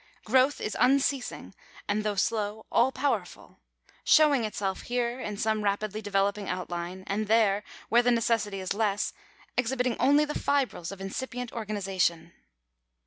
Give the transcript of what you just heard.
Growth is unceasing; and though slow, all powerful: showing itself here in some rapidly developing outline ; and there, where the l/$r necessity is less, exhibiting only the fibrils of incipient organ ization.